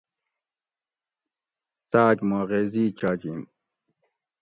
څاک ما غیزی چاجِن